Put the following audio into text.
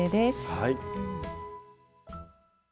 はい。